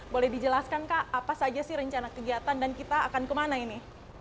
boleh dijelaskan kak apa saja sih rencana kegiatan dan kita akan kemana ini